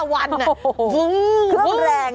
พึงคือมันแรง